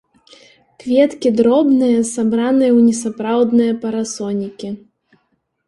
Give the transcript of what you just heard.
Кветкі дробныя, сабраныя ў несапраўдныя парасонікі.